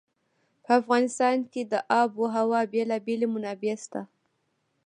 په افغانستان کې د آب وهوا بېلابېلې منابع شته.